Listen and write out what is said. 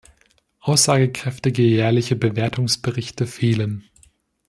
Aussagekräftige jährliche Bewertungsberichte fehlen.